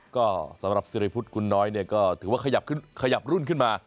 ก็สำหรับสิริพุทธกุลน้อยเนี่ยก็ถือว่าขยับรุ่นขึ้นมา